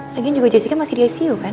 lagi juga jessica masih di icu kan